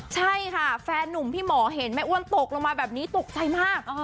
ใช่ค่ะแฟนนุ่มพี่หมอเห็นแม่อ้วนตกลงมาแบบนี้ตกใจมาก